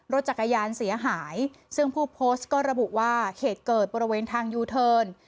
รถจักรยานเสียหายซึ่งผู้โพสต์ก็ระบุว่าเหตุเกิดบริเวณทางยูเทิร์น